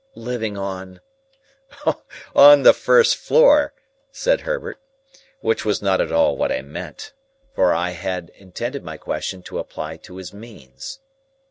"Living on—?" "On the first floor," said Herbert. Which was not at all what I meant, for I had intended my question to apply to his means.